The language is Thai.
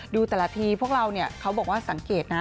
ดูแต่ละทีพวกเราเนี่ยเขาบอกว่าสังเกตนะ